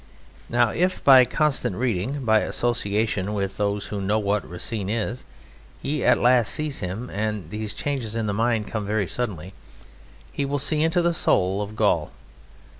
Now, if by constant reading, by association with those who know what Racine is, he at last sees him and these changes in the mind come very suddenly he will see into the soul of Gaul.